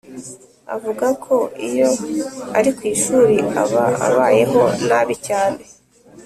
avuga ko iyo ari kwishuri aba abayeho nabi cyane